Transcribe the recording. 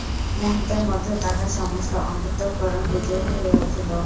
মুহূর্তের মধ্যে তাহার সমস্ত অন্তঃকরণ বিদ্রোহী হইয়া উঠিল।